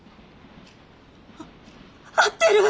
合ってる！